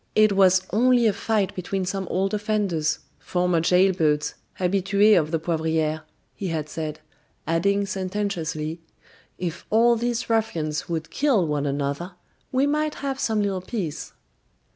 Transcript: "It was only a fight between some old offenders; former jail birds, habitues of the Poivriere," he had said, adding sententiously: "If all these ruffians would kill one another, we might have some little peace."